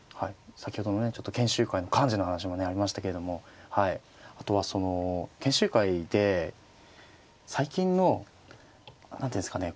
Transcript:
先ほどのねちょっと研修会の幹事の話もねありましたけれどもはいあとはその研修会で最近の何ていうんですかね